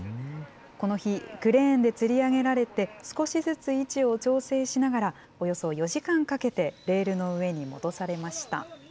この日、クレーンでつり上げられて、少しずつ位置を調整しながら、およそ４時間かけてレールの上に戻されました。